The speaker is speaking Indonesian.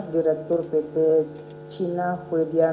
direktur pembangkit jawa bali investasi